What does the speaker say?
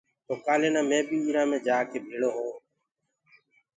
تو ڪآلي نآ مي بي اُرا مي جآڪي شريٚڪ هويوٚنٚ۔